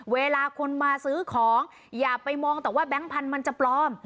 เวลาคนมาซื้อของอย่าไปมองแต่ว่าแบงค์พันธุ์มันจะปลอม